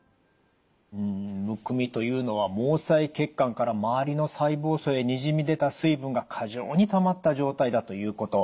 むくみというのは毛細血管から周りの細胞層へにじみ出た水分が過剰にたまった状態だということ。